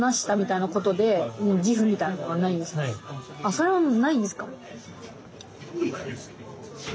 それはないんですか。